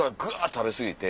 食べ過ぎて。